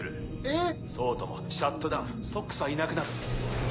えっ⁉そうともシャットダウンソックスはいなくなる。